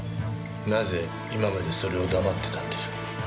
なぜ今までそれを黙ってたんでしょう？